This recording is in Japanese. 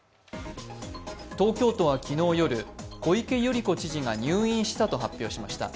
東京都は昨日夜、小池百合子都知事が入院したと発表しました。